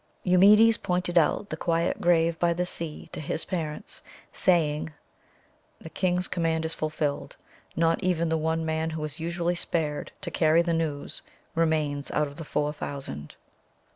Eumedes pointed out the quiet grave by the sea to his parents, saying: "The King's command is fulfilled. Not even the one man who is usually spared to carry the news remains out of the four thousand."